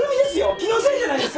気のせいじゃないですか？